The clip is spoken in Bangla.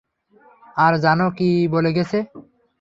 আর জানো কী বলে গেছে?